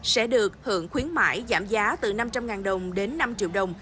sẽ được hưởng khuyến mại giảm giá từ năm trăm linh đồng đến năm triệu đồng